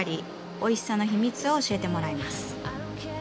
おいしさの秘密を教えてもらいます。